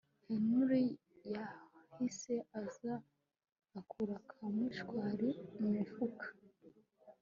Henry yahise aza akura ka mushwari mu mufuka